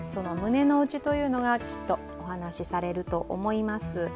胸の内というのが、きっとお話されると思います。